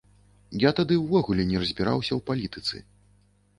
Я тады ўвогуле не разбіраўся ў палітыцы.